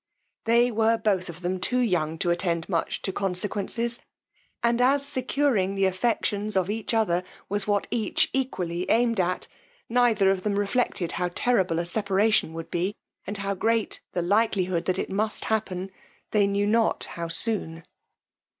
They were both of them too young to attend much to consequences; and as securing the affections of each other was what each equally aimed at, neither of them reflected how terrible a separation would be, and how great the likelihood that it must happen they knew not how soon.